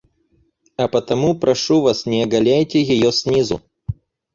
А потому прошу вас, не оголяйте ее снизу.